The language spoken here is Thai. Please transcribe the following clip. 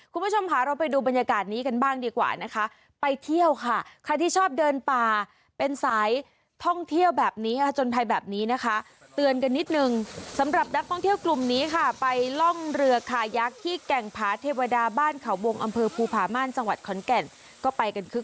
คุณผู้ชมขาเราไปดูบรรยากาศนี้กันบ้างดีกว่านะคะ